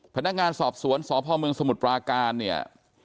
พนักงานสอบสวนสพเมืองสมุทรปราการเนี่ย